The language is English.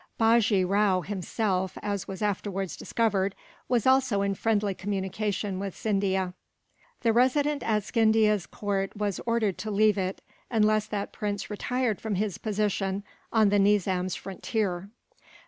Bajee Rao himself, as was afterwards discovered, was also in friendly communication with Scindia. The Resident at Scindia's court was ordered to leave it, unless that prince retired from his position on the Nizam's frontier.